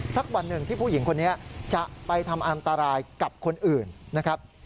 สักวันหนึ่งที่ผู้หญิงคนนี้จะไปทำอันตรายกับคนอื่นนะครับ